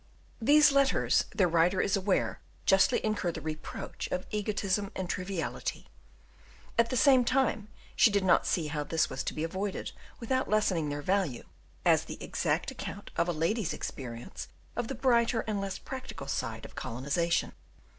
These letters, their writer is aware, justly incur the reproach of egotism and triviality; at the same time she did not see how this was to be avoided, without lessening their value as the exact account of a lady's experience of the brighter and less practical side of colonization.